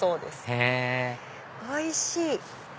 へぇおいしい！